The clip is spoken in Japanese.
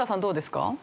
どうですか？